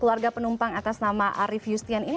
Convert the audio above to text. keluarga penumpang atas nama arief yustian ini